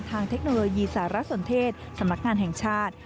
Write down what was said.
เทคโนโลยีสารสนเทศสำนักงานแห่งชาติ